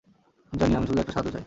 জানি, আমি শুধু একটা সাহায্য চাই।